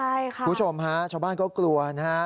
คุณผู้ชมฮะชาวบ้านก็กลัวนะฮะ